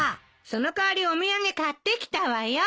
その代わりお土産買ってきたわよ。